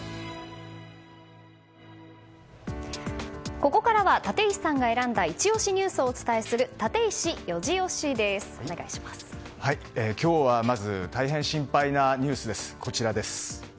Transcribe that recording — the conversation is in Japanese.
ここからは、立石さんが選んだイチ推しニュースをお伝えする今日はまず大変心配なニュースです。